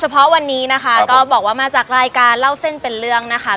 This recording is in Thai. เพราะวันนี้นะคะก็บอกว่ามาจากรายการเล่าเส้นเป็นเรื่องนะคะ